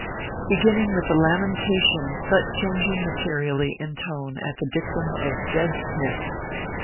BEGINNING WITH A LAMENTATION, BUT CHANGING MATERIALLY IN TONE AT THE DICTUM OF JED SMITH.